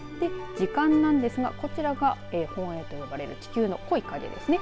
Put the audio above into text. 時間なんですが、こちらが本影と呼ばれる地球の濃い影ですね。